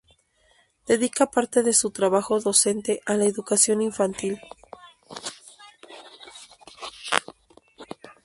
Dedica parte de su trabajo docente a la educación infantil.